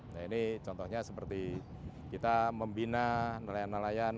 nah ini contohnya seperti kita membina nelayan nelayan